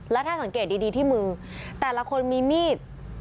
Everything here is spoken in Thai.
แล้วถ้าสังเกตดีที่มือแต่ละคนมีมีด